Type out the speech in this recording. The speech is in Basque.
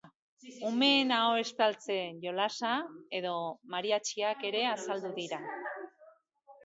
Umeen aho estaltze jolasa edo mariatxiak ere azaldu dira.